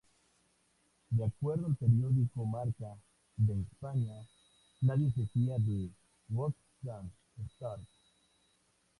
De acuerdo al periódico Marca, de España,"Nadie se fía de Wolfgang Stark".